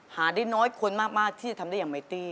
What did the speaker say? หาได้น้อยคนมากที่จะทำได้อย่างไมตี้